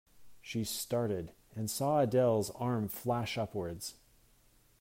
She started and saw Adele's arm flash upwards.